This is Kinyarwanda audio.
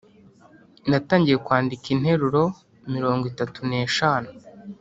Natangiye kwandika interuro mirongo itatu n’eshanu